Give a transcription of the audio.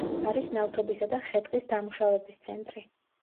არის ნავთობისა და ხე-ტყის დამუშავების ცენტრი.